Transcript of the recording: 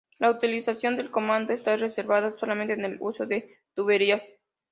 La utilización del comando está reservada solamente en el uso de las tuberías.